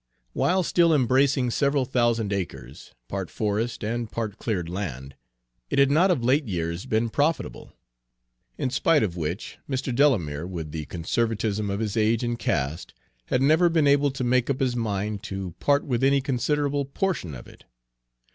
While still embracing several thousand acres, part forest and part cleared land, it had not of late years been profitable; in spite of which Mr. Delamere, with the conservatism of his age and caste, had never been able to make up his mind to part with any considerable portion of it.